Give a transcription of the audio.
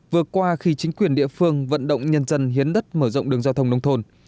vừa qua khi chính quyền địa phương vận động nhân dân hiến đất mở rộng đường giao thông nông thôn